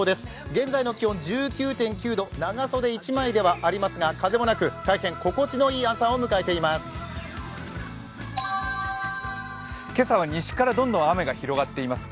現在の気温１９．９度、長袖一枚ではありますが風もなく、大変心地のいい朝を迎えています。